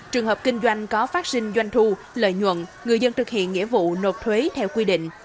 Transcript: trường hợp kinh doanh có phát sinh doanh thu lợi nhuận người dân thực hiện nghĩa vụ nộp thuế theo quy định